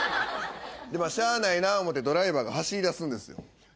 まあしゃあないな思うてドライバーが走りだすんですよ。